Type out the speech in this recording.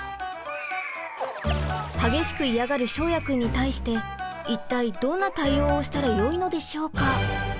激しく嫌がる翔也くんに対して一体どんな対応をしたらよいのでしょうか？